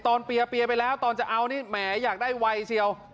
เปียไปแล้วตอนจะเอานี่แหมอยากได้ไวเชียว